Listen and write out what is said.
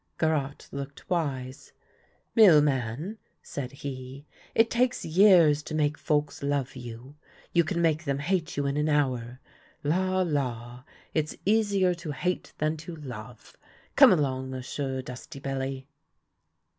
Garotte looked wise. " Mealman," said he, " it takes years to make folks love you ; you can make them hate you in an hour. La! La! it's easier to hate than to love. Come along, M'sieu' dusty belly."